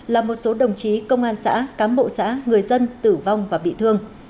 là một số đồng chí công an xã cám bộ xã người dân tử vong và bị thương